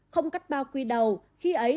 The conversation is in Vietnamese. không cắt bao quy đầu khi ấy